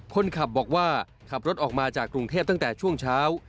คนขับบอกว่าขับรถออกมาจากกรุงเทพตั้งแต่ช่วงเช้า